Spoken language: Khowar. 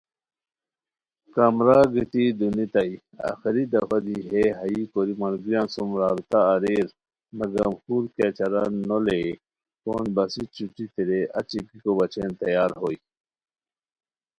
کمرا گیتی دونیتائے ،آخری دفعہ دی ہے ہائی کوری ملگریان سُم رابطہ اریر مگم خور کیہ چارہ نولے پونج بسی چھٹی تیرے اچی گیکو بچین تیار ہوئے